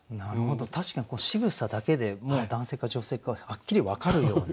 確かにしぐさだけでもう男性か女性かはっきり分かるような。